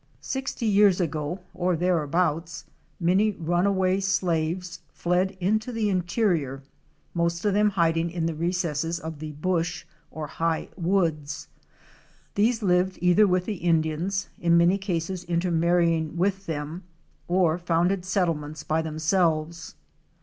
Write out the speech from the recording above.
Sixty years ago or thereabouts, many runaway slaves fled into the interior, most of them hiding in the recesses of the "bush"' or high woods. These lived either with the Indians, in many cases intermarrying with them, or founded settlements by themselves.